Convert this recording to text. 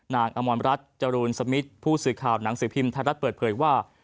นางอมรรณรัฐจรูลสมมิตรผู้สื่อข่าวหนังสือพิมพ์ธรรมรัฐเปิดเผยว่า